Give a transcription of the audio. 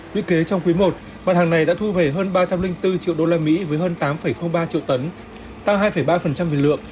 nguyện kế trong quý i mặt hàng này đã thu về hơn ba trăm linh bốn triệu usd với hơn tám ba triệu tấn tăng hai ba về lượng